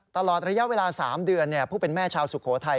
ตลอดระยะเวลา๓เดือนผู้เป็นแม่ชาวสุโขทัย